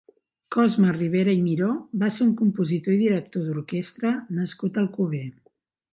Cosme Ribera i Miró va ser un compositor i director d'orquestra nascut a Alcover.